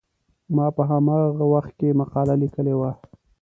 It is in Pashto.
ما په هغه وخت کې مقاله لیکلې وه.